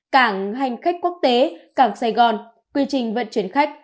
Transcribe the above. cảng hành khách quốc tế cảng sài gòn quy trình vận chuyển khách